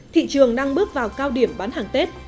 thị trường đang bước vào cao điểm bán hàng tết